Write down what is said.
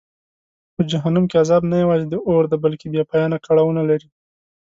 په جهنم کې عذاب نه یوازې د اور دی بلکه بېپایانه کړاوونه لري.